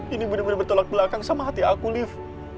ini benar benar bertolak belakang sama hati aku lift